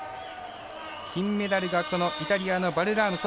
金メダルがこのイタリアのバルラーム。